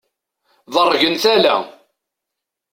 Ḍeṛgen tala.